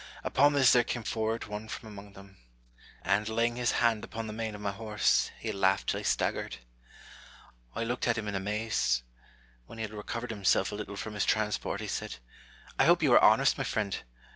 Upon this there came forward one from among them ; and, laying his hand upon the mane of my horse, he laughed till he staggered. I looked at him in amaze. When he had recovered himself a little from his transport, he said, " I hope you are honest, my friend